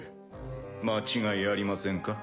間違いありませんか？